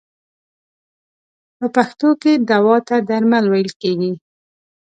په پښتو کې دوا ته درمل ویل کیږی.